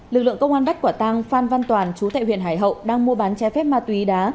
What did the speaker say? lực lượng công an bắt quả tang phan văn toàn chú tại huyện hải hậu đang mua bán trái phép ma túy đá